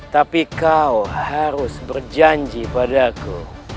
tapi kau harus berjanji padaku